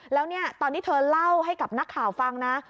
แล้วเนี่ยตอนที่เธอเล่าให้กับนักข่าวฟังนะ